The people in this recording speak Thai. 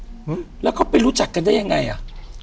กุมารพายคือเหมือนกับว่าเขาจะมีอิทธิฤทธิ์ที่เยอะกว่ากุมารทองธรรมดา